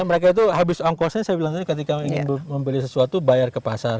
mereka itu habis ongkosnya saya bilang tadi ketika ingin membeli sesuatu bayar ke pasar